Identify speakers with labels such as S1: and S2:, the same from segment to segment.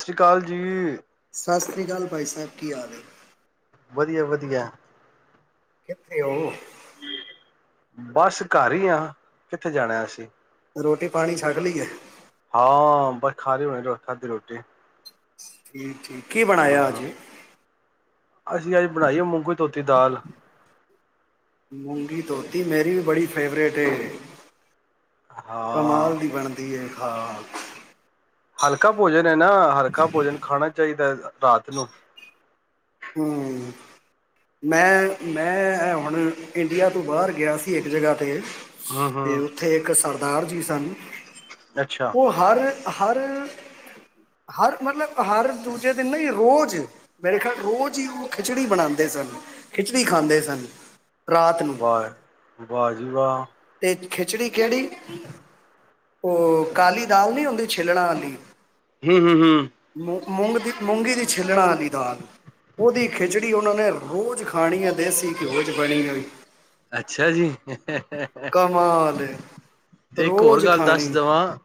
S1: ਸਤਿ ਸ਼੍ਰੀ ਅਕਾਲ ਜੀ
S2: ਸਤਿ ਸ਼੍ਰੀ ਅਕਾਲ ਭਾਈ ਸਾਹਿਬ ਕੀ ਹਾਲ ਹੈ
S1: ਵਧੀਆ ਵਧੀਆ।
S2: ਕਿੱਥੇ ਹੋ।
S1: ਬਸ ਘਰ ਹੀ ਆ ਕਿੱਥੇ ਜਾਣਾ ਅਸੀਂ।
S2: ਰੋਟੀ ਪਾਣੀ ਛੱਕ ਲਈਏ।
S1: ਹਾਂ ਪਰ ਖਾਲੀ ਹੋਣੀ ਖਾਧੀ ਰੋਟੀ।
S2: ਠੀਕ ਹੈ।
S1: ਹਾ ਅਸੀਂ ਅੱਜ ਬਣਾਈ ਆ ਮੂੰਗੀ ਧੋਤੀ ਹੋਈ ਦਾਲ।
S2: ਮੂੰਗੀ ਧੋਤੀ ਮੇਰੀ ਵੀ ਬੜੀ ਫੇਵਰੇਟ ਹੈ।
S1: ਹਾਂ
S2: ਕਮਾਲ ਦੀ ਬਣਦੀ ਹੈ। ਹਾਂ।
S1: ਹਲਕਾ ਭੋਜਨ। ਨਾ ਹਲਕਾ ਭੋਜਨ ਖਾਣਾ ਚਾਹੀਦਾ ਇਹ ਤਾਂ। ਰਾਤ ਨੂੰ।
S2: ਹੂੰ ਮੈਂ ਮੈਂ ਹੁਣ ਇੰਡੀਆ ਤੋਂ ਬਾਹਰ ਗਿਆ ਸੀ ਇੱਕ ਜਗ੍ਹਾ 'ਤੇ।
S1: ਹਮ
S2: ਤੇ
S1: ਹਮ
S2: ਉੱਥੇ ਇੱਕ। ਦਾਲ ਜੀ। ਦਾ
S1: ਅੱਛਾ
S2: ਉਹ ਹਰ। ਹਰ ਹਰ ਮਤਲਬ ਹਰ ਦੂਜੇ ਦਿਨ ਨਾ ਇਹ ਰੋਜ਼ ਮੇਰੇ ਖਿਆਲ। ਰੋਜ਼ ਹੀ ਉਹ ਖਿਚੜੀ ਬਣਾਉਂਦੇ ਸਨ ਖਿਚੜੀ ਖਾਂਦੇ ਸਨ। ਰਾਤ ਨੂੰ
S1: ਬਾਰ ਵਾਹ ਜੀ ਵਾਹ।
S2: ਤੇ ਖਿਚੜੀ ਕਿਹੜੀ ਉਹ ਕਾਲੀ ਦਾਲ ਨਹੀ ਹੁੰਦੀ ਛਿਲਣਾ ਵਾਲੀ।
S1: ਹੂੰ ਹੂੰ ਹੂੰ।
S2: ਮੂ ਮੂੰਗ ਦੀ ਮੂੰਗੀ ਦੀ ਛਿੱਲਣਾ ਵਾਲੀ ਦਾਲ। ਉਹਦੀ ਖਿਚੜੀ ਉਹਨਾਂ ਨੇ ਰੋਜ਼ ਖਾਣੀ ਆ ਦੇਸੀ ਘਿਓ ਚ ਬਣੀ ਹੋਈ।
S1: ਅੱਛਾ ਜੀ।
S2: ਕਮਾਲ ਏ
S1: ਤੇ ਇੱਕ ਹੋਰ
S2: ਰੋਜ਼
S1: ਗੱਲ ਦੱਸ
S2: ਖਾਣੀ
S1: ਦੇਵਾਂ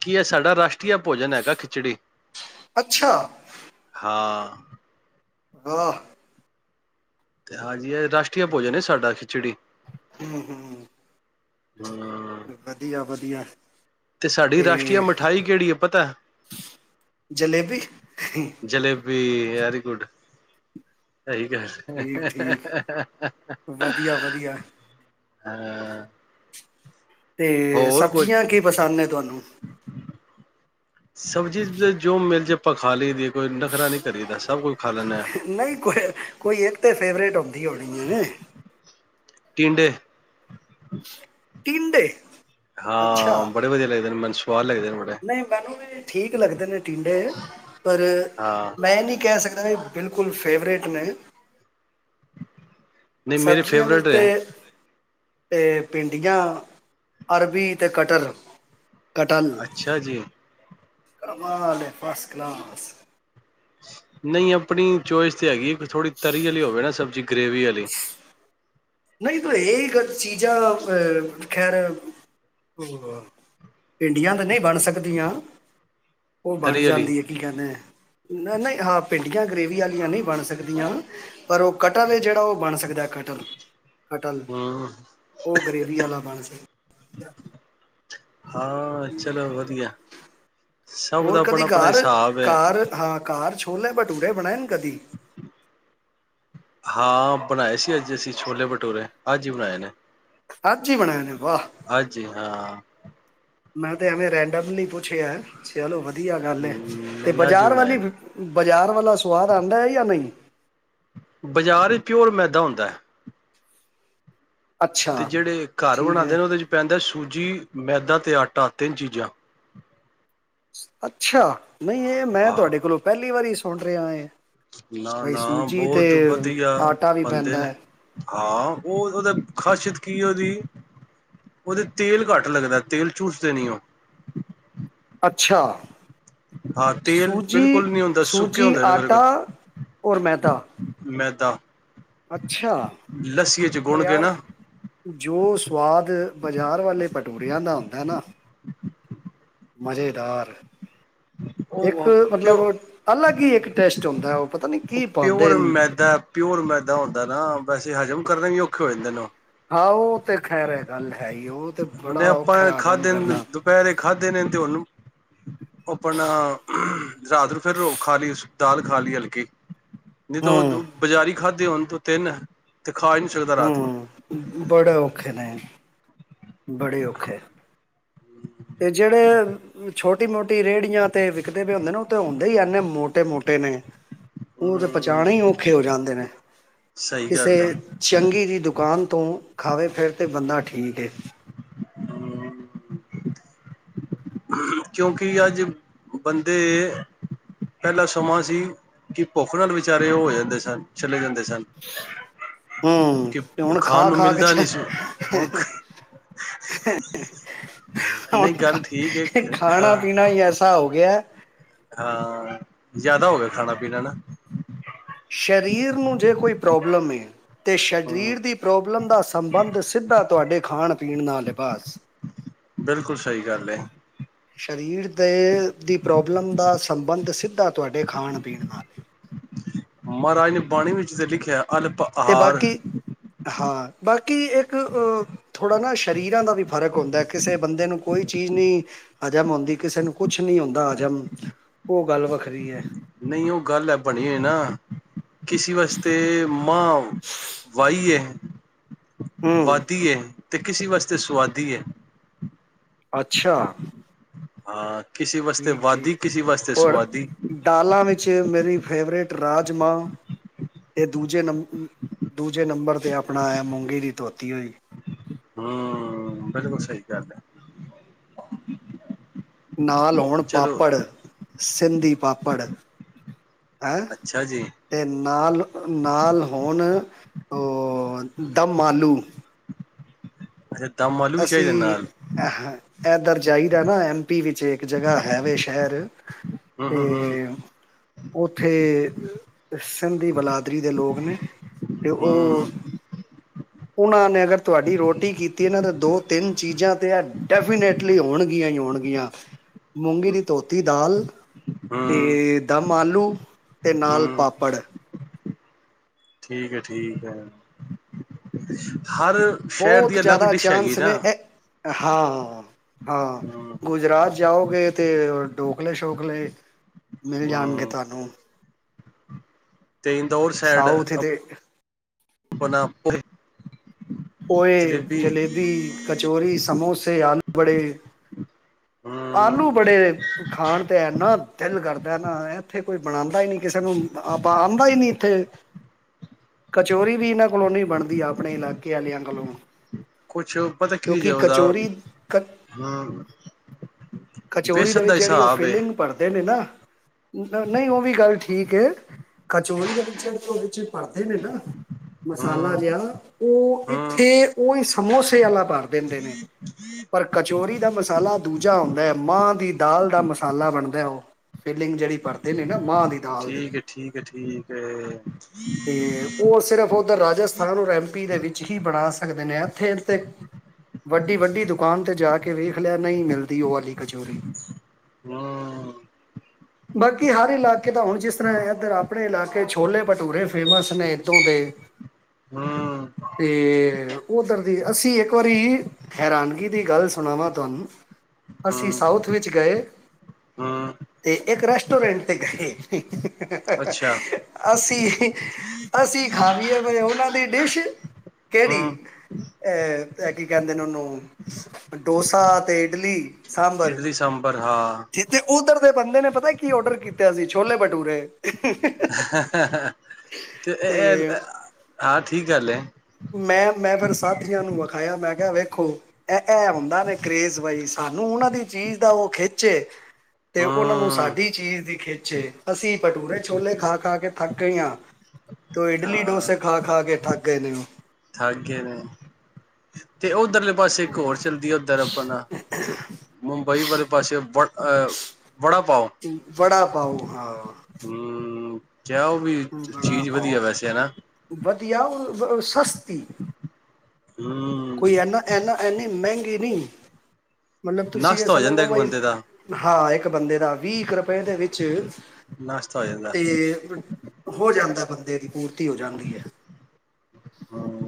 S1: ਕੀ ਇਹ ਸਾਡਾ ਰਾਸ਼ਟਰੀਆ ਭੋਜਨ ਹੈਗਾ ਖਿਚੜੀ।
S2: ਅੱਛਾ।
S1: ਹਾਂ।
S2: ਵਾਹ।
S1: ਤੇ ਹਾਂਜੀ ਇਹ ਰਾਸ਼ਟਰੀਆ ਭੋਜਨ ਸਾਡਾ ਖਿਚੜੀ।
S2: ਹੂੰ ਹੂੰ।
S1: ਹਮ
S2: ਵਧੀਆ ਵਧੀਆ।
S1: ਤੇ ਸਾਡੀ ਰਾਸ਼ਟਰੀਆਂ ਮਿਠਾਈ ਕਿਹੜੀ ਹੈ ਪਤਾ
S2: ਜਲੇਬੀ ਠੀਕ
S1: ਜਲੇਬੀ। Very good.
S2: ਠੀਕ ਠੀਕ ਵਧੀਆ ਵਧੀਆ
S1: ਹਾਂ
S2: ਤੇ
S1: ਹੋਰ ਕੁਝ
S2: ਸਬਜ਼ੀਆਂ ਕੀ ਪਸੰਦ ਨੇ ਤੁਹਾਨੂੰ। [inaudible]
S1: ਸਬਜ਼ੀ ਜੋ ਮਿਲ ਜੇ ਆਪਾਂ ਖਾ ਲਈ ਦੀਏ ਕੋਈ ਨਖਰਾ ਨੀ ਕਰੀਦਾ ਸਭ ਕੁਛ।
S2: ਨਹੀਂ ਕੋਈ ਕੋਈ ਇੱਕ ਤਾਂ ਫੇਵਰੇਟ ਹੋ। ਵਧੀ ਹੋਣੀ ਏ।
S1: ਟੀੰਡੇ।
S2: ਤੀਨਡੇ‌।
S1: ਹਾਂ, ਬੜੇ ਵਧੀਆ ਲੱਗਦੇ ਨੇ ਮੈਨ ਸੁ਼
S2: ਨਹੀਂ ਮੈਨੂੰ ਵੀ ਠੀਕ ਲੱਗਦੇ ਨੇ ਟੀਂਡੇ, ਪਰ
S1: ਹਾਂ
S2: ਮੈਂ ਏਨੀ ਕੈ ਸਕਦ ਐ ਬਿਲਕੁਲ ਫੇਵਰੇਟ ਨੇ।
S1: ਨਹੀਂ ਮੇਰੇ ਫੇਵਰੇਟ ਏ ਐ।
S2: ਏ ਪਿੰਡੀਆਂ, ਅਰਬੀ ਤੇ ਕਟੱਲ।
S1: ਅੱਛਾ ਜੀ।
S2: ਕਮਾਲ ਏ ਫਸ ਕਲਾਸ।
S1: ਨਹੀਂ ਅਪਣੀ ਚੋਇਸ ਤੇ ਹੈਗੀ ਏ। ਥੋੜ੍ਹੀ ਤਰੀ ਅਲੀ ਹੋਵੇ ਨਾ ਸਬਜ਼ੀ ਗ੍ਰੇਵੀ ਅਲੀ
S2: ਖਰ ਚੀਜ਼ਾਂ ਅ ਖੈਰ ਪਿੰਡੀਆਂ ਤਾਂ ਨਹੀਂ ਬਣ ਸਕਦੀਆਂ। ਔ ਬਣ
S1: ਤਰੀ ਵਾਲੀ
S2: ਜਾਂਦੀ ਏ ਕੀ ਕੈੰਦੇ ਅ ਨ ਨਹੀਂ ਹਾਂ ਭਿੰਡੀਆਂ ਗਰੇੇਵੀ ਆਲੀਆਂ ਨਹੀਂ ਬਣ ਸਕ ਪਰ ਔ ਕਟੱਲ ਏ ਜੇੜਾ ਔ ਬਣ ਸਕਦੈ ਕਟੱਲ। ਕਟੱਲ
S1: ਹਮ
S2: ਔ ਗ੍ਰੇਵੀ ਆਲਾ ਬਣ ਸਕ ਆਈਯਾ।
S1: ਹਾਂ ਚਲੋ, ਵਧੀਐ।
S2: ਹੋਰ ਕਦੀ ਘਾਰ ਕਾਰ ਹਾਂ ਕਾਰ ਛੋਲੈ ਬਟੁ ਟੂਰੇ ਬਣੇਣ ਕਦੀ?
S1: ਹਾਂ ਬਣਾਏ ਸੀ ਅੱਜ ਅਸੀਂ ਛੋਲੇ ਭਟੂਰੇ ਅੱਜ ਹੀ ਬਣਾਏ ਨੇ।
S2: ਅੱਜ ਈ ਬਣੇ ਨੇ। ਵਾਹ
S1: ਆਜੀ ਹਾਂ।
S2: ਮੈਂ ਤੇ ਐਵੇਂ ਰੈਂਡਮਲੀ ਪੁੱਛਿਐ, ਚਲੋ ਵਧੀ ਵਧੀਆ ਗੱਲ ਏ, ਤੇ
S1: ਨਹੀਂ ਅੱਜ ਹੀ
S2: ਬਾਜ਼ਾਰ
S1: ਬਣਾਏ
S2: ਵਾਲੀ
S1: ਨੇ
S2: ਬਾਜ਼ਾਰ ਵਾਲਾ ਸਵਾਦ ਆਂਦੈ ਯਾ ਨਹੀਂ।
S1: ਬਾਜ਼ਾਰ ਈਚ ਪਿਓਰ ਮੈਦਾ ਹੁੰਦੈ। ਤੇ
S2: ਅੱਛਾ
S1: ਜੇੜੇ ਘਰ
S2: ਠੀਕ
S1: ਬਣਾਂਦੇ
S2: ਹੈ
S1: ਨੇ ਔਦੇ ਚ ਪੈਂਦੈ ਸੂ ਜੀ ਮੈਦਾ ਤੇ ਆਟਾ ਤੇਨ ਚੀਜ਼ਾਂ।
S2: ਅੱਛਾ। ਨਹੀਂ ਏ ਮੈਂ
S1: ਹਾਂ
S2: ਤੁਵਾਡੇ ਕੋਲੋਂ ਪੈਲੀ ਵਾਰੀ ਸੁ ਸੁਣ ਰਿਆ ਏ।
S1: ਨਾ
S2: ਬਈ
S1: ਨਾ
S2: ਸੂਜੀ ਤੇ
S1: ਬਹੁਤ ਵਧੀਆ
S2: ਆਟਾ ਵੀ
S1: ਬਣਦੇ
S2: ਪੈਂਦੈ।
S1: ਨੇ। ਹਾਂ, ਔ ਔਦੇ ਖਾਸੀਅਤ ਕੀ ਏ ਓਦੀ ਓਦੇ ਚ ਤੇਲ ਘੱਟ ਲੱਗਦੈ ਤੇਲ ਚੂਸਦੇ ਨੀ ਔ।
S2: ਅੱਛਾ,
S1: ਤੇਲ ਬਿਲਕੁਲ ਨਹੀਂ ਹੁੰਦਾ ਸੁੱਕੇ
S2: ਸੂਜੀ-ਸੂਜੀ
S1: ਹੁੰਦੇ ਨੇ
S2: ਆਟਾ
S1: ਬਿਲਕੁਲ
S2: ਔਰ ਮੈਦਾ।
S1: ਦਾ।
S2: ਅੱਛਾ ਪਰ
S1: ਗੁੰਨ ਕੇ
S2: ਯਾਰ
S1: ਨਾ
S2: ਜੋ ਸਵਾਦ ਬਾਜ਼ਾਰ ਵਾਲੇ, ਭਟੂਰੀਆ ਦਾ ਹੁੰਦਾ ਨਾ ਮਜ਼ੇਦਾਰ। ਇੱਕ
S1: ਉਹ
S2: ਮਤਲਬ
S1: ਪਿਓ
S2: ਅਲੱਗ ਹੀ ਇੱਕ ਟੇਸਟ ਹੁੰਦਾ ਉਹ ਪਤਾ ਨੀ
S1: ਉਹ
S2: ਕੀ ਪਾਦੇ
S1: ਪਿਓਰ
S2: ਨੇ।
S1: ਮੈਦਾ ਪਿਓਰ ਮੈਦਾ ਹੁੰਦਾ ਨਾ ਵੈਸੇ ਹਜ਼ਮ ਕਰਨੇ ਵੀ ਔਖੇ ਹੋ ਜਾਂਦੇ ਨਾ ਔ,
S2: ਹਾਂ ਉਹ ਤੇ ਖੈਰ ਹੈ ਗੱਲ ਹੈ ਹੀ ਉਹ। ਤੇ ਬੜਾ
S1: ਹੁਣ ਆਪਾਂ
S2: ਔਖਾ ਹਜ਼ਮ
S1: ਖਾਧੇ ਨੇ
S2: ਕਰਨਾ
S1: ਦੁਪਹਿਰੇ ਖਾਧੇ ਨੇ ਤੇ ਉਹਨੂੰ ਉਹ ਆਪਣਾ ਰਾਤ ਨੂੰ ਫਿਰ ਉਹ ਖਾ ਲਈ ਦਾਲ ਖਾ ਲਈ ਹਲਕੀ। ਨਹੀਂ ਤਾਂ ਉਹ
S2: ਹੂੰ
S1: ਤੂੰ ਬਾਜ਼ਾਰੀ ਖਾ ਤੇ ਹੁਣ ਤੋਂ ਤਿੰਨ ਤੇ। ਖਾ ਹੀ ਨਹੀਂ ਸਕਦਾ ਰਾਤ ਨੂੰ
S2: ਹੂੰ ਬੜਾ ਔਖਾ ਨਾ। ਬੜੇ ਔਖਾ, ਤੇ ਜਿਹੜੇ ਛੋਟੀ ਮੋਟੀ ਰੇਹੜੀਆਂ ਤੇ ਵਿਕਦੇ ਪਏ ਹੁੰਦੇ ਨੇ ਉਹ ਤੇ ਹੁੰਦੇ ਹੀ ਇਨੇ ਮੋਟੇ-ਮੋਟੇ ਨੇ। ਉਹ ਤੇ ਪਚਾਣੇ
S1: ਹਮ
S2: ਹੀ ਔਖੇ ਹੋ ਜਾਂਦੇ ਨੇ
S1: ਸਹੀ
S2: ਕਿਸੇ
S1: ਗੱਲ ਹੈ
S2: ਚੰਗੀ ਦੀ ਦੁਕਾਨ, ਦੁਕਾਨ ਤੋਂ ਖਾਵੇ ਫਿਰ ਤੇ ਬੰਦਾ ਠੀਕ ਏ।
S1: ਕਿਉਂਕਿ ਅੱਜ ਬੰਦੇ ਪਹਿਲਾਂ ਸਮਾਂ ਸੀ ਕਿ ਭੁੱਖ ਨਾਲ ਵਿਚਾਰੇ ਹੋ ਜਾਂਦੇ ਸਨ ਚਲੇ ਜਾਂਦੇ ਸੀ। ਸਨ
S2: ਹੂੰ
S1: ਕਿ
S2: ਤੇ
S1: ਉਹ
S2: ਹੁਣ
S1: ਖਾਣ
S2: ਖਾ
S1: ਨੂੰ
S2: ਖਾ ਕੇ
S1: ਮਿਲਦਾ
S2: ਚ
S1: ਨਹੀਂ ਸੀ, ਹੁਣ ਨਹੀਂ ਗੱਲ ਠੀਕ ਏ
S2: ਹੁਣ
S1: ਖਾ
S2: ਖਾਣਾ ਪੀਣਾ ਹੀ ਐਸਾ ਹੋ ਗਿਆ ਹੈ।
S1: ਹਾਂ ਜ਼ਿਆਦਾ ਹੋ ਗਿਆ ਖਾਣਾ ਪੀਣਾ ਨਾ।
S2: ਸਰੀਰ ਨੂੰ ਜੇ ਕੋਈ ਪ੍ਰੋਬਲਮ ਏ। ਤੇ
S1: ਹੂੰ
S2: ਸਰੀਰ ਦੀ ਪ੍ਰੋਬਲਮ ਦਾ ਸੰਬੰਧ ਸਿੱਧਾ ਤੁਹਾਡੇ ਖਾਣ ਪੀਣ ਨਾਲ ਏ ਬਸ।
S1: ਬਿਲਕੁਲ ਸਹੀ ਗੱਲ ਏ
S2: ਸ਼ਰੀਰ ਤੇ। ਦੀ ਪ੍ਰੋਬਲਮ ਦਾ ਸੰਬੰਧ ਸੀ। ਸਿੱਧਾ ਤੁਹਾਡੇ ਖਾਣ ਪੀਣ ਨਾਲ ਹੀ।
S1: ਮਹਾਰਾਜ ਨੇ ਬਾਣੀ ਵਿੱਚ ਜਿੱਥੇ ਲਿਖਿਆ। ਅਲਪ
S2: ਤੇ
S1: ਆਹਾਰ।
S2: ਬਾਕੀ ਹਾਂ ਬਾਕੀ ਇੱਕ ਥੋੜ੍ਹਾ ਨਾ ਸਰੀਰਾਂ ਦਾ ਵੀ ਫ਼ਰਕ ਹੁੰਦਾ ਕਿਸੇ ਬੰਦੇ ਨੂੰ ਕੋਈ ਚੀਜ਼ ਨਹੀਂ ਹਾਜ਼ਮ ਆਦੀ ਕਿਸੇ ਨੂੰ ਕੁਛ ਨਹੀਂ ਆਦਾ ਹਾਜ਼ਮ ਉਹ ਗੱਲ ਵੱਖਰੀ ਹੈ।
S1: ਨਹੀਂ ਉਹ ਗੱਲ ਹੈ ਬਣੀ ਹੋਏ ਨਾ ਕਿਸੀ ਵਾਸਤੇ ਮਾਂ ਵਾਏ ਹੈ।
S2: ਹੂੰ
S1: ਵਾਤੀ ਹੈ। ਅਤੇ ਕਿਸੇ ਵਾਸਤੇ ਸੁਆਦੀ ਹੈ।
S2: ਅੱਛਾ।
S1: ਹਾਂ। ਕਿਸੇ ਵਾਸਤੇ
S2: ਠੀਕ-ਠੀਕ
S1: ਵਾਦੀ ਕਿਸੇ ਵਾਸਤੇ
S2: ਹੋਰ
S1: ਸੁਆਦੀ
S2: ਦਾਲਾਂ ਵਿੱਚ ਮੇਰੀ। ਫੇਵਰੇਟ ਰਾਜਮਾਂ ਤੇ ਦੂਜੇ ਨੰ ਦੂਜੇ ਨੰਬਰ 'ਤੇ ਵੀ ਆਪਣਾ ਮੂੰਗੀ ਦੀ ਧੋਤੀ ਹੋਏਗੀ।
S1: ਹੂੰ ਬਿਲਕੁਲ ਸਹੀ [unintelligible]
S2: ਨਾਲ ਹੋਣ
S1: ਚਲੋ
S2: ਪਾਪੜ, ਸਿੰਧੀ ਪਾਪੜ ਹੈਂ
S1: ਅੱਛਾ ਜੀ
S2: ਤੇ ਨਾਲ ਹੋਣ ਉਹ ਦਮ ਆਲੂ।
S1: ਅੱਛਾ ਦਮ ਆਲੂ ਵੀ ਚਾਹੀਦੇ
S2: ਅਸੀਂ
S1: ਨਾਲ
S2: ਏਧਰ ਜਾਈਦਾ ਨਾ ਐਮ ਪੀ ਵਿੱਚ, ਇੱਕ ਜਗ੍ਹਾ ਹੈਵੇ ਸ਼ਹਿਰ
S1: ਹੂੰ ਹੂੰ
S2: ਤੇ ਉੱਥੇ ਗੁੰਦੀ ਬਲਾਤ ਪੱਧਰੀ ਦੇ ਲੋਕ, ਲੋਕ ਨੇ ਅਤੇ ਉਹ
S1: ਹੂੰ
S2: ਉਹਨਾਂ ਨੇ ਅਗਰ ਤੁਹਾਡੀ ਰੋਟੀ ਕੀਤੀ ਨਾਂ ਦੋ-ਤਿੰਨ ਚੀਜ਼ਾਂ ਤੇ ਆ ਡੈਫੀਨੇਟਲੀ ਹੋਣਗੀਆਂ ਹੀ ਹੋਣਗੀਆਂ। ਮੂੰਗੀ
S1: ਹੂੰ
S2: ਦੀ ਧੋਤੀ ਦਾਲ ਤੇ
S1: ਹੂੰ
S2: ਦਮ ਆਲੂ ਤੇ ਨਾਲ
S1: ਹੂੰ
S2: ਪਾਪੜ
S1: ਠੀਕ ਹੈ, ਠੀਕ ਹੈ। ਹਰ ਸ਼ਹਿਰ
S2: ਬਹੁਤ
S1: ਦੀ ਅਲੱਗ
S2: ਜ਼ਿਆਦਾ
S1: ਡਿਸ਼ ਹੈਗੀ
S2: ਚਾਂਸ
S1: ਨਾ
S2: ਨੇ, ਐ ਹਾਂ। ਹਾਂ
S1: ਹਮ
S2: ਗੁਜਰਾਤ ਜਾਓਗੇ ਤੇ ਡੋਕਲੇ-ਸੌਖਲੇ। ਮਿਲ ਜਾਣਗੇ
S1: ਹਮ
S2: ਤਾਨੂੰ
S1: ਤੇ ਇੰਦੌਰ ਸਾਈਡ
S2: ਸਾਊਥ ਤੇ
S1: ਆਪਣਾ
S2: ਪੋਏ
S1: ਜਲੇਬੀ
S2: ਜਲੇਬੀ, ਕਚੋਰੀ, ਸਮੋਸੇ, ਆਲੂ ਬੜੇ, ਆਲੂ
S1: ਹਮ
S2: ਬੜੇ ਖਾਣ ਤੇ ਇਨਾ ਦਿਲ ਕਰਦਾ ਨਾ ਇੱਥੇ ਕੋਈ ਬਣਾਦਾ ਹੀ ਨਹੀ ਕਿਸੇ ਨੂੰ, ਆਪਾਂ, ਆਦਾ ਹੀ ਨਹੀਂ ਇੱਥੇ ਕਚੋਰੀ ਵੀ ਇਹਨਾਂ ਕਲੋ ਨੀ ਬਣਦੀ ਆ ਆਪਣੇ ਕਿਆਂ ਕੋਲੋਂ,
S1: ਕੁਛ ਪਤਾ ਕੀ ਜੇ
S2: ਕਿਉਂਕਿ
S1: ਉਹਦਾ
S2: ਕਚੋਰੀ -ਕ
S1: ਹਮ
S2: -ਕਚੋਰੀ ਦੇ
S1: ਵੇਸਣ ਦਾ
S2: ਵਿੱਚ ਜਿਹੜੀ ਉਹ
S1: ਹਿਸਾਬ ਏ
S2: ਫੀਲਿੰਗ ਭਰਦੇ ਨੇ ਨਾ ਨਹੀਂ ਉਹ ਵੀ ਗੱਲ ਠੀਕ ਹੈ। ਕਚੋਰੀ ਦੇ ਵਿੱਚ ਜਿਹੜੇ ਉਹਦੇ ਭਰਦੇ ਨੇ ਨਾ, ਮਸਾਲਾ
S1: ਹਮ
S2: ਜਿਹਾ ਉਹ
S1: ਹਮ
S2: ਇੱਥੇ ਉਹ ਸਮੋਸੇ ਵਾਲਾ ਭਰ ਦਿੰਦੇ ਨੇ ਪਰ ਕਚੋਰੀ ਦਾ ਮਸਾਲਾ ਦੂਜਾ ਹੁੰਦਾ ਹੈ ਮਾਂ ਦੀ ਦਾਲ ਦਾ ਮਸਾਲਾ ਬਣਦਾ ਉਹ ਫੀਲਿੰਗ ਜਿਹੜੀ ਭਰਦੇ ਨੇ ਨਾ ਮਾਂ ਦਾਲ ਦੀ
S1: ਠੀਕ ਹੈ ਠੀਕ ਹੈ ਠੀਕ ਹੈ
S2: ਤੇ ਉਹ ਸਿਰਫ ਉੱਧਰ ਰਾਜਸਥਾਨ ਰਹਮ ਦੇ ਵਿੱਚ ਹੀ ਬਣਾ ਸਕਦੇ ਨੇ ਇੱਥੇ ਵੱਡੀ-ਵੱਡੀ ਦੁਕਾਨ ਤੇ ਜਾ ਕੇ ਵੇਖ ਲਿਆ ਨਹੀਂ ਮਿਲਦੀ ਉਹ ਵਾਲੀ ਕਚੋਰੀ
S1: ਹਾਂ,
S2: ਬਾਕੀ ਹਰ ਇਲਾਕੇ ਦਾ ਹੁਣ ਜਿਸ ਤਰ੍ਹਾਂ ਇੱਧਰ ਆਪਣੇ ਇਲਾਕੇ ਛੋਲੇ ਭਟੂਰੇ ਫੇਮਸ ਨੇ ਇੱਦੋਂ ਦੇ
S1: ਹਮ
S2: ਤੇ ਉਧਰ ਅਸੀਂ ਇੱਕ ਵਾਰੀ ਹੈਰਾਨਗੀ ਦੀ ਗੱਲ ਸੁਣਾਵਾਂ ਤੁਹਾਨੂੰ ਅਸੀਂ
S1: ਹਮ
S2: ਸਾਊਥ ਵਿੱਚ ਗਏ
S1: ਹਮ
S2: ਤੇ ਇੱਕ ਰੈਸਟੋਰੈਂਟ ਤੇ ਗਏ
S1: ਅੱਛਾ
S2: ਅਸੀਂ -ਅਸੀਂ ਖਾਵੀਏ ਵੀ ਉਹਨਾਂ ਤੇ ਡਿਸ਼ ਕਿਹੜੀ?
S1: ਹਮ
S2: ਅਹ ਇਹ ਕੀ ਕਹਿੰਦੇ ਨੇ ਉਹਨੂੰ, ਡੋਸਾ ਤੇ ਇਡਲੀ ਸਾਂਬਰ,
S1: ਇਡਲੀ ਸਾਂਬਰ ਹਾਂ
S2: ਤੇ ਤੇ ਉਧਰ ਦੇ ਬੰਦੇ ਨੇ ਪਤਾ ਕੀ ਔਡਰ ਕੀਤਾ ਸੀ, ਛੋਲੇ ਭਟੂਰੇ
S1: ਤੇ [inaudible] ਹਾਂ ਠੀਕ ਗੱਲ ਹੈ
S2: ਮੈਂ, ਮੈਂ ਫਿਰ ਸਾਥੀਆਂ ਨੂੰ ਵਿਖਾਇਆ, ਮੈਂ ਕਿਹਾ ਵੇਖੋ ਇਹ- ਇਹ ਹੁੰਦਾ ਨੇ ਕਰੇਜ਼, ਬਾਈ ਸਾਨੂੰ ਉਹਨਾਂ ਦੀ ਚੀਜ਼ ਦਾ ਉਹ ਖਿੱਚੇ ਤੇ ਉਹਨਾਂ ਨੂੰ
S1: ਹਮ
S2: ਸਾਡੀ ਚੀਜ਼ ਦੀ ਖਿੱਚੇ, ਅਸੀਂ ਭਟੂਰੇ ਛੋਲੇ ਖਾ-ਖਾ ਕੇ ਥੱਕ ਗਏ ਹਾਂ, ਤੇ ਇਡਲੀ ਡੋਸੇ ਖਾ-ਖਾ ਕੇ ਥੱਕ ਗਏ ਨੇ ਓ।
S1: ਥਾਏ ਕੇ ਨੇ ਤੇ ਉਹ [inaudible] ਉੱਧਰਲੇ ਪਾਸੇ ਇੱਕ ਹੋਰ
S2: ਉਹ।
S1: ਚੱਲਦੀ ਹੈ, ਉੱਧਰ ਆਪਾਂ ਨਾ ਮੁੰਬਈ ਵਾਲੇ ਪਾਸੇ ਵ ਅਹ ਵੜਾ ਪਾਓ।
S2: ਵੜਾ ਪਾਓ ਹਾਂ
S1: ਕ ਉਹ ਵੀ
S2: ਵੜਾ
S1: ਚੀਜ਼
S2: ਪਾਓ
S1: ਵਧੀਆ ਵੈਸੇ ਨਾ
S2: ਵਧੀਆ ਉਹ ਸਸਤੀ ਕੋਈ
S1: ਹਮ
S2: ਇਨਾ ਐਨਾ-ਐਨੀ ਮਹਿੰਗੀ ਨਹੀਂ ਮਤਲਬ, ਤੁਸੀਂ ਇਹ
S1: ਨਾਸ਼ਤਾ ਹੋ
S2: ਸਮਝ
S1: ਜਾਂਦਾ
S2: ਲਓ
S1: ਇੱਕ
S2: ਬਾਈ
S1: ਬੰਦੇ ਦਾ
S2: ਹਾਂ ਇੱਕ ਇੱਕ ਬੰਦੇ ਦਾ, ਵੀਹ ਇੱਕ ਰੁਪਏ ਦੇ ਵਿੱਚ
S1: ਨਾਸ਼ਤਾ ਹੋ ਜਾਂਦਾ
S2: ਤੇ ਹੋ ਜਾਂਦਾ, ਬੰਦੇ ਦੀ ਪੂਰਤੀ ਹੋ ਜਾਂਦੀ ਹੈ।
S1: ਹਮ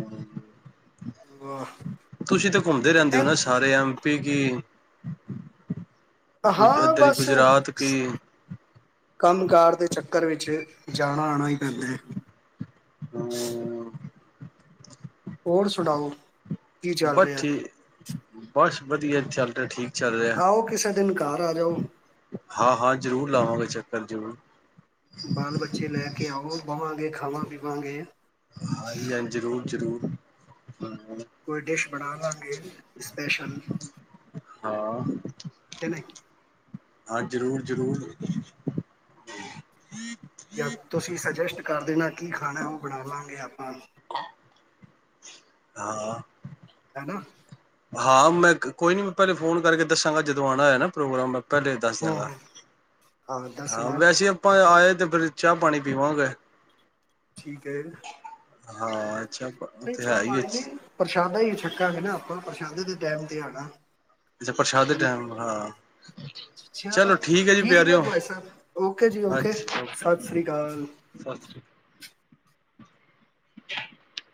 S2: ਹਾਂ।
S1: ਤੁਸੀਂ ਤਾਂ ਘੁੰਮਦੇ ਰਹਿੰਦੇ ਹੋ ਨਾ, ਸਾਰੇ ਐਮ ਪੀ ਕੀ
S2: ਹਾਂ
S1: ਇਧਰ
S2: ਬਸ
S1: ਗੁਜਰਾਤ ਕੀ
S2: ਕੰਮ ਕਾਰ ਦੇ ਚੱਕਰ ਵਿੱਚ, ਜਾਣਾ -ਆਉਣਾ ਹੀ ਪੈਂਦਾ ਹੈ।
S1: ਹਮ
S2: ਹੋਰ ਸੁਣਾਓ? ਕੀ ਚੱਲ
S1: ਬਸ
S2: ਰਿਹਾ
S1: ਠੀਕ ਬਸ। ਵਧੀਆ ਚੱਲ ਰਿਹਾ ਠੀਕ। ਚੱਲ
S2: ਆਓ, ਕਿਸੇ ਦਿਨ ਘਰ ਆ ਜਾਓ।
S1: ਹਾਂ-ਹਾਂ ਜ਼ਰੂਰ ਲਾਵਾਂਗੇ ਚੱਕਰ ਜ਼ਰੂਰ।
S2: ਬਾਲ- ਬਚੇ ਲੈ ਕੇ ਆਓ, ਬਵਾਂਗੇ, ਖਾਵਾਂ -ਪੀਵਾਂਗੇ
S1: ਹਾਂਜੀ-ਹਾਂਜੀ ਜ਼ਰੂਰ-ਜ਼ਰੂਰ।
S2: ਕੋਈ ਡਿਸ਼ ਬਣਾ ਲਾਂਗੇ ਸਪੈਸ਼ਲ।
S1: ਹਾਂ।
S2: ਕੇ ਨਈ?
S1: ਹਾਂ ਜ਼ਰੂਰ ਜ਼ਰੂਰ।
S2: ਯਾ ਤੁਸੀਂ ਸਜੈਸਟ ਕਰ ਦੇਣਾ ਕੀ ਖਾਣੈ, ਉਹ ਬਣਾਲਾਂਗੇ ਆਪਾਂ।
S1: ਹਾਂ
S2: ਹਨਾ।
S1: ਹਾਂ, ਮੈਂ ਕੋਈ ਨੀ, ਮੈਂ ਪਹਿਲੇ ਫੋਨ ਕਰਕੇ ਦੱਸਾਂਗਾ ਜਦੋਂ ਆਣਾ ਹੋਇਆ ਨਾ, ਪ੍ਰੋਗਰਾਮ। ਪਹਿਲੇ ਦੱਸ
S2: ਹੂੰ
S1: ਦਿਆਂਗਾ।
S2: ਹੂੰ
S1: ਹਾਂ, ਵੈਸੇ ਆਪਾਂ ਆਏ ਤੇ ਫੇਰ ਚਾਹ ਪਾਣੀ ਪੀਵਾਂਗੇ।
S2: ਠੀਕ ਹੈ,
S1: ਹਾਂ ਅੱਛਾ
S2: ਨਹੀਂ
S1: ਤੇ ਹੈ
S2: ਚਾਹ
S1: ਹੀ
S2: ਪਾਣੀ ਨਹੀਂ,
S1: ਅੱਛਾ
S2: ਪਰਸ਼ਾਦਾ ਈ ਛੱਕਾਂਗੇ ਨਾ ਆਪਾਂ। ਪ੍ਰਸ਼ਾਦੇ ਦੇ ਟੈਮ ਤੇ ਆਣਾ।
S1: ਅੱਛਾ ਪ੍ਰਸ਼ਾਦੇ
S2: ਹੈ ਨਹੀਂ
S1: ਟੈਮ, ਹਾਂ। ਚਲੋ ਠੀਕ ਐ ਜੀ
S2: ਹੈ
S1: ਪਿਆਰਿਓ।
S2: ਭਾਈ ਸਾਹਿਬ ਓਕੇ ਜੀ ਓਕੇ
S1: ਅੱਛਾ
S2: ਸਤਿ
S1: ਓਕੇ
S2: ਸ੍ਰੀ ਅਕਾਲ
S1: ਸਤ ਸ੍ਰੀ